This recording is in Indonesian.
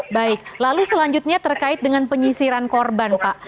baik lalu selanjutnya terkait dengan penyisiran korban pak